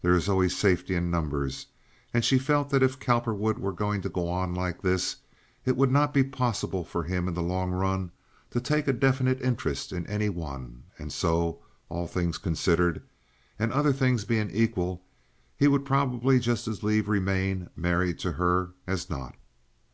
There is always safety in numbers, and she felt that if Cowperwood were going to go on like this it would not be possible for him in the long run to take a definite interest in any one; and so, all things considered, and other things being equal, he would probably just as leave remain married to her as not.